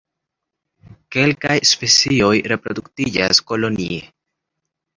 Kelkaj specioj reproduktiĝas kolonie.